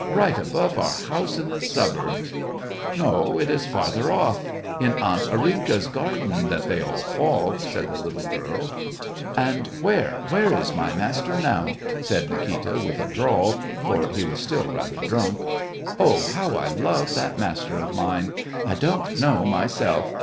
right above our house in the suburbs.'* " No, it is farther off, in aunt Arinka's garden, that they all fall," said the little girl. " And where, where is my master now !" said Nikita, with a drawl, for he was still rather drunk. •* Oh, how I love that master of mine !— I don't know myself